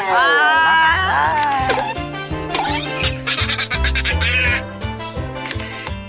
อ๋อรัก